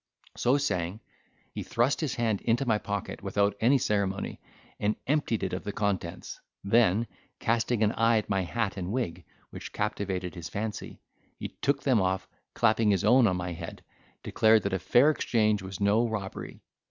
So saying, he thrust his hand into my pocket without any ceremony, and emptied it of the contents; then, casting an eye at my hat and wig, which captivated his fancy, he took them off, clapping his own on my head, declared, that a fair exchange was no robbery.